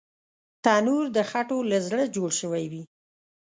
تنور د خټو له زړه جوړ شوی وي